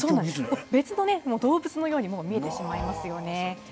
別の動物のようにも見えてしまいますよね。